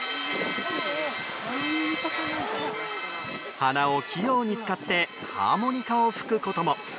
鼻を器用に使ってハーモニカを吹くことも。